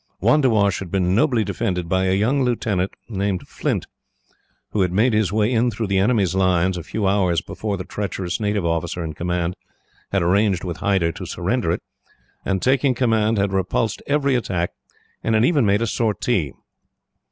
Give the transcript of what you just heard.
Wandiwash had been nobly defended by a young lieutenant named Flint, who had made his way in through the enemy's lines, a few hours before the treacherous native officer in command had arranged with Hyder to surrender it, and, taking command, had repulsed every attack, and had even made a sortie.